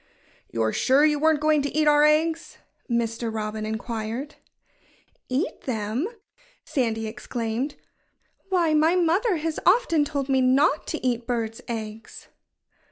"You're sure you weren't going to eat our eggs?" Mr. Robin inquired. "Eat them!" Sandy exclaimed. "Why, my mother has often told me not to eat birds' eggs."